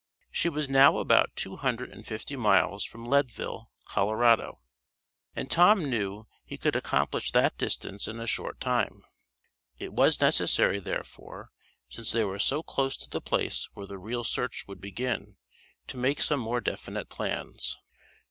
She was now about two hundred and fifty miles from Leadville, Colorado, and Tom knew he could accomplish that distance in a short time. It was necessary, therefore, since they were so close to the place where the real search would begin, to make some more definite plans.